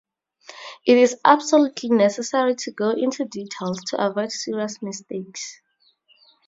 It is absolutely necessary to go into details to avoid serious mistakes.